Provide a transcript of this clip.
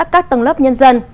các tầng lớp nhân dân